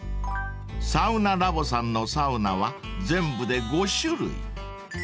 ［サウナラボさんのサウナは全部で５種類］